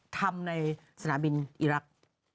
ทำในสนามบินอีรักษ์